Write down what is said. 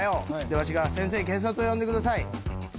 わしが「先生警察を呼んでください」。